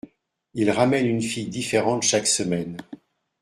il ramène une fille différente chaque semaine.